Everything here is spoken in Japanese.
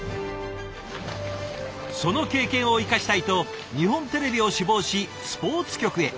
その経験を生かしたいと日本テレビを志望しスポーツ局へ。